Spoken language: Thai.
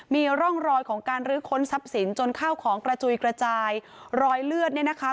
มีร่องรอยของการรื้อค้นทรัพย์สินจนข้าวของกระจุยกระจายรอยเลือดเนี่ยนะคะ